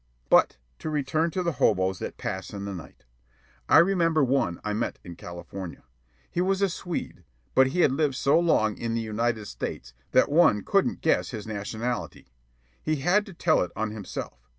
But to return to the hoboes that pass in the night. I remember one I met in California. He was a Swede, but he had lived so long in the United States that one couldn't guess his nationality. He had to tell it on himself.